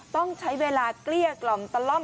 ต้องใช้เวลาเกลี้ยกล่อมตะล่อม